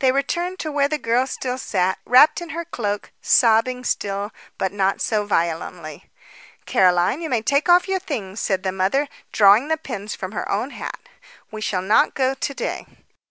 They returned to where the girl still sat, wrapped in her cloak, sobbing still, but not so violently. "Caroline, you may take off your things," said the mother, drawing the pins from her own hat. "We shall not go to day."